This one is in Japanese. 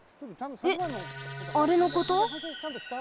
えっあれのこと？